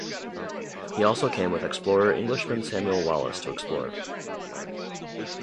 He also came with explorer Englishman Samuel Wallis to explore.